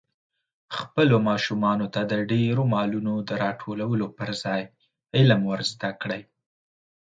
خپلو ماشومانو ته د ډېرو مالونو د راټولولو پر ځای علم ور زده کړئ.